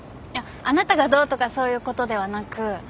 あなたがどうとかそういうことではなく。